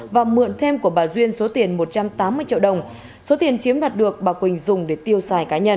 và mượn thêm của bà duyên số tiền một trăm tám mươi triệu đồng số tiền chiếm đoạt được bà quỳnh dùng để tiêu xài cá nhân